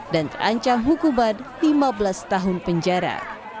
dan terancang hukuman lima belas tahun penjara